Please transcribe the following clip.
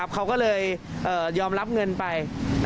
เขาก็เลยยอมรับเงินไป